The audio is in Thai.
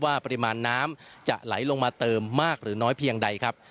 ปริมาณน้ำจะไหลลงมาเติมมากหรือน้อยเพียงใดครับ